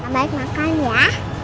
mbaik makan ya